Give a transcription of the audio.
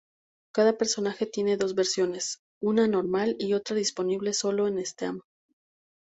Cada personaje tiene dos versiones, una normal y otra disponible solo en Steam.